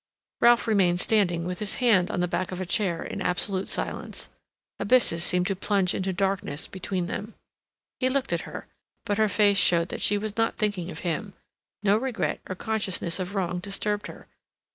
Ralph remained standing with his hand on the back of a chair in absolute silence. Abysses seemed to plunge into darkness between them. He looked at her, but her face showed that she was not thinking of him. No regret or consciousness of wrong disturbed her.